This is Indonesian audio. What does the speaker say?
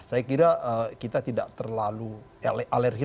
saya kira kita tidak terlalu alergi lah dengan hal ini